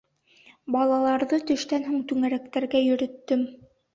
Балаларҙы төштән һуң түңәрәктәргә йөрөттөм.